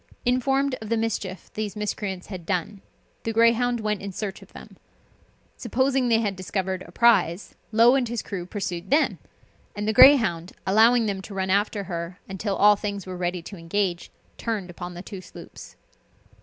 Informed of the mischief these miscreants had done, the Greyhound went in search of them. Supposing they had discovered a prize, Low and his crew pursued them, and the Greyhound, allowing them to run after her until all things were ready to engage, turned upon the two sloops.